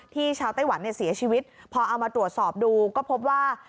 ชาวไต้หวันเนี่ยเสียชีวิตพอเอามาตรวจสอบดูก็พบว่า